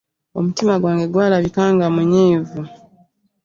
Omutima gwange gwalabika nga munyiivu.